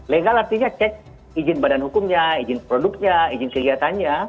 legal artinya cek izin badan hukumnya izin produknya izin kegiatannya